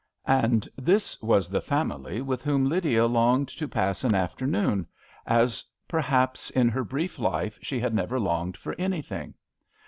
And this was the family with whom Lydia longed to pass an afternoon, as, perhaps, in her brief life, she had never longed for anything.